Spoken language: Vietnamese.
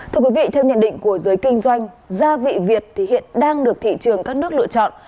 thưa quý vị theo nhận định của giới kinh doanh gia vị việt hiện đang được thị trường các nước lựa chọn